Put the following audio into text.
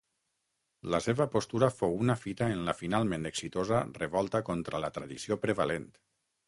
La seva postura fou una fita en la finalment exitosa revolta contra la tradició prevalent.